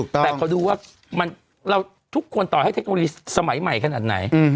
แต่ขอดูว่าเราทุกคนต่อให้เทคโนโลยีสมัยใหม่ขนาดไหน